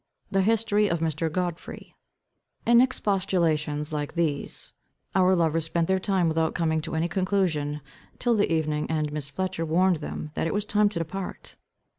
The History of Mr. Godfrey. In expostulations like these our lovers spent their time without coming to any conclusion, till the evening and Miss Fletcher warned them that it was time to depart.